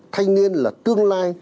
thanh niên là tương lai